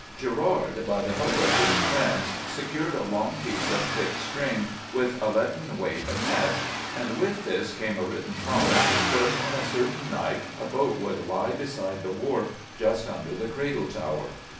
Gerard, by the help of these friends, secured a long piece of thick string with a leaden weight attached, and with this came a written promise that upon a certain night a boat would lie beside the Wharf just under the Cradle Tower.